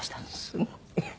すごい。